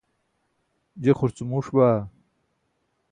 je xurcumuuṣ baa